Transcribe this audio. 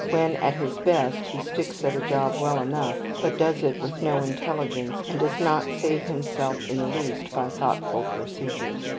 When at his best he sticks at a job well enough, but does it with no intelligence and does not save himself in the least by thoughtful procedures.